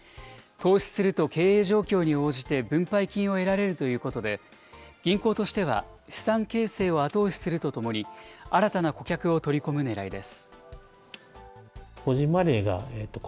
投資すると経営状況に応じて分配金を得られるということで、銀行としては、資産形成を後押しするとともに、新たな顧客を取り込むねらいです。